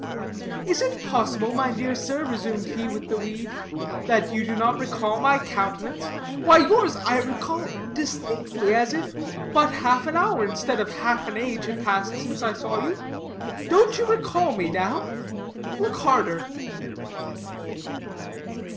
"Is it possible, my dear sir," resumed he with the weed, "that you do not recall my countenance? why yours I recall distinctly as if but half an hour, instead of half an age, had passed since I saw you. Don't you recall me, now? Look harder."